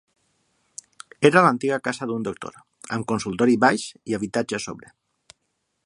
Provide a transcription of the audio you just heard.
Era l'antiga casa d'un doctor, amb consultori baix i habitatge a sobre.